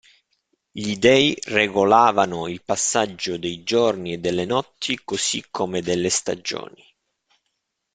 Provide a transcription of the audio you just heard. Gli dei regolavano il passaggio dei giorni e delle notti, così come delle stagioni.